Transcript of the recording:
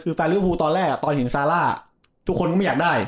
คือแฟนริวภูตอนแรกตอนเห็นซาร่าทุกคนก็ไม่อยากได้